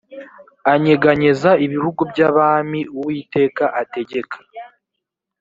anyeganyeza ibihugu by abami uwiteka ategeka